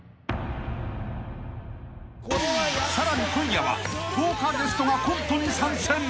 ［さらに今夜は豪華ゲストがコントに参戦］